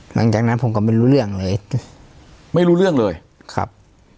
หลังจากนั้นผมก็ไม่รู้เรื่องเลยไม่รู้เรื่องเลยครับ